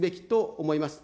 思います。